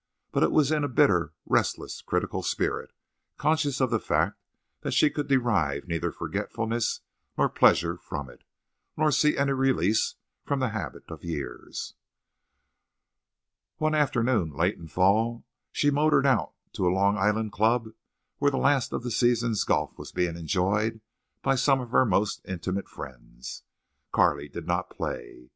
But it was in a bitter, restless, critical spirit, conscious of the fact that she could derive neither forgetfulness nor pleasure from it, nor see any release from the habit of years. One afternoon, late in the fall, she motored out to a Long Island club where the last of the season's golf was being enjoyed by some of her most intimate friends. Carley did not play.